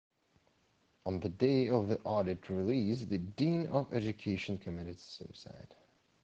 On the day of the audit release, the Dean of education committed suicide.